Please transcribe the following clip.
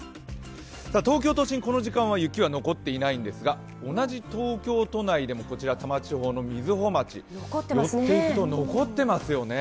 東京都心、この時間は雪は残ってないんですが同じ東京都内でもこちら多摩地方の瑞穂町、寄っていくと残ってますよね。